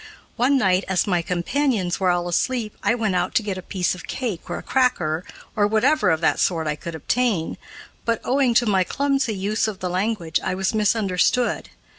One night as my companions were all asleep, I went out to get a piece of cake or a cracker, or whatever of that sort I could obtain, but, owing to my clumsy use of the language, I was misunderstood.